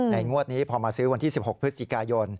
งวดนี้พอมาซื้อวันที่๑๖พฤศจิกายน